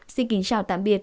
xin kính chào tạm biệt